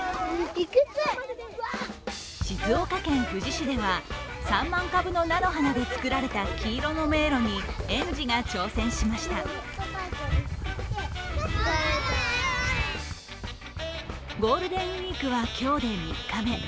静岡県富士市では３万株の菜の花で作られた黄色の迷路に、園児が挑戦しましたゴールデンウイークは今日で３日目。